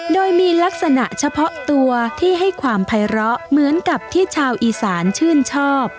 โดยมีลักษณะเฉพาะตัวที่ให้ความภัยร้อเหมือนกับที่ชาวอีสานชื่นชอบ